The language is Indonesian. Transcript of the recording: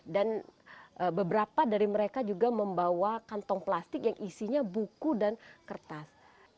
dan beberapa dari mereka juga membawa kantong plastik yang isinya buku dan kertas